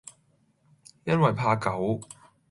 因爲怕狗，